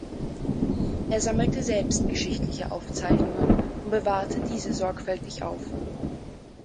Er sammelte selbst geschichtliche Aufzeichnungen und bewahrte diese sorgfältig auf.